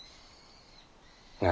何？